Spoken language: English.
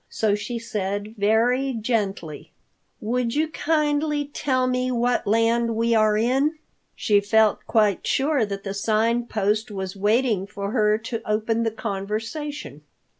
So she said very gently, "Would you kindly tell me what land we are in?" She felt quite sure that the Sign Post was waiting for her to open the conversation.